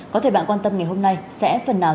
có thể bạn quan tâm ngày hôm nay sẽ phần nào